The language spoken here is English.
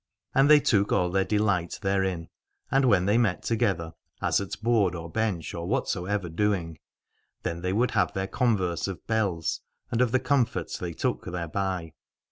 And they took all their delight therein, and when they mejt together, as at board or bench or whatsoever doing, then they would have their converse of bells and of the com fort they took thereby.